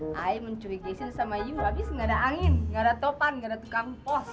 saya mencuri keisir sama lo habis nggak ada angin nggak ada topan nggak ada tukang pos